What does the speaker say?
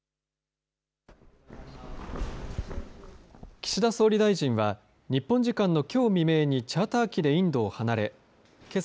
岸田総理大臣は日本時間のきょう未明にチャーター機でインドを離れけさ